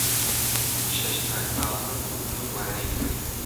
شەش تاک بازن و دوو گوارەی کڕی.